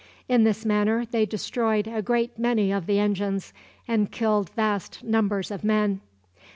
In this manner they destroyed a great many of the engines, and killed vast numbers of men.